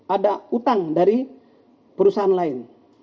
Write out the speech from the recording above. ada utang dari perusahaan lain